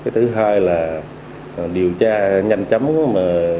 thứ hai là điều tra nhanh chấm xét xử những vụ án mà chúng tôi đang thủ lý